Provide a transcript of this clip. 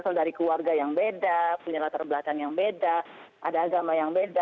berasal dari keluarga yang beda punya latar belakang yang beda ada agama yang beda